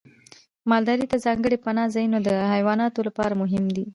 مالدارۍ ته ځانګړي پناه ځایونه د حیواناتو لپاره مهم دي.